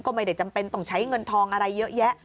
ก็ไม่ได้จำเป็นต้องใช้เงินทองอะไรเยอะแยะ